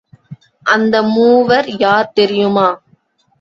அந்த மூவர் யார் தெரியுமா?